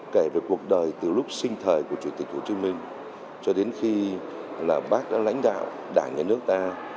kể về cuộc đời từ lúc sinh thời của chủ tịch hồ chí minh cho đến khi là bác đã lãnh đạo đảng nhà nước ta